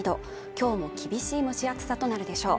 今日も厳しい蒸し暑さとなるでしょう